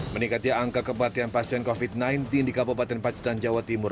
meningkatnya angka kematian pasien covid sembilan belas di kabupaten pacitan jawa timur